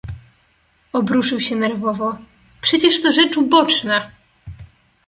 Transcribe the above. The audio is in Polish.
"Obruszył się nerwowo: „Przecież to rzecz uboczna!"